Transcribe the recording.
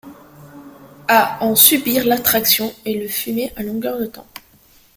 À en subir l’attraction et le fumet à longueur de temps.